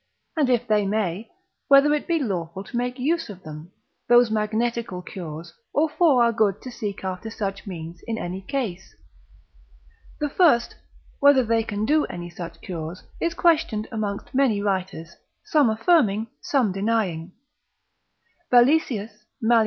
and if they may, whether it be lawful to make use of them, those magnetical cures, or for our good to seek after such means in any case? The first, whether they can do any such cures, is questioned amongst many writers, some affirming, some denying. Valesius, cont. med. lib. 5.